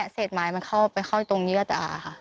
เศษไม้มันเข้าไปเข้าตรงเยื่อตาค่ะ